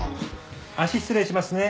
足失礼しますね。